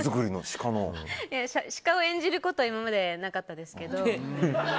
シカを演じることは今までなかったですけど。